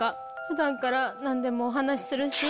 普段から何でもお話しするし。